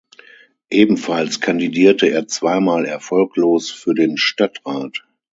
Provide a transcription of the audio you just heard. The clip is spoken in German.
Ebenfalls kandidierte er zweimal erfolglos für den Stadtrat.